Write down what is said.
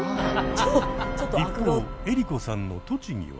一方江里子さんの栃木は。